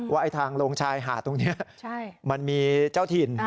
ว่าทางลงชายหาดตรงนี้มันมีเจ้าถิ่น